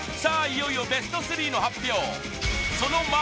いよいよベスト３の発表さあ